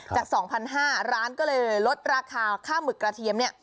จาก๒๕๐๐บาทร้านก็เลยลดราคาค่าหมึกกระเทียมเนี่ย